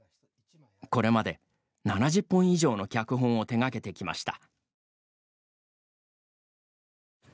これまで７０本以上の脚本を手がけてきました。